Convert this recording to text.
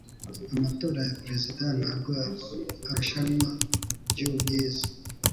Amatora ya perezida ntabwo arushanwa ryubwiza.